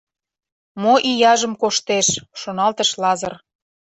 «Мо ияжым коштеш», — шоналтыш Лазыр.